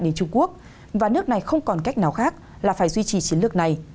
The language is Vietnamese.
đến trung quốc và nước này không còn cách nào khác là phải duy trì chiến lược này